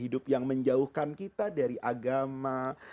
hidup yang menjauhkan kita dari agama